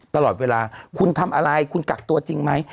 ตลอดเวลาคุณทำอะไรคุณกักตัวจริงไหม